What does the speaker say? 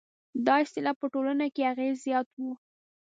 دا اصطلاح په ټولنه کې اغېز زیات و.